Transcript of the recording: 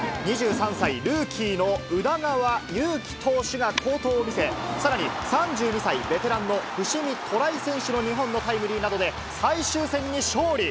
２３歳、ルーキーの宇田川優希投手が好投を見せ、さらに３２歳、ベテランの伏見寅威選手の２本のタイムリーなどで、最終戦に勝利。